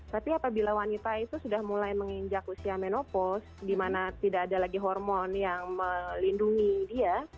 tapi apabila wanita itu sudah mulai menginjak usia menopos di mana tidak ada lagi hormon yang melindungi dia